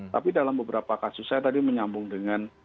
tapi dalam beberapa kasus saya tadi menyambung dengan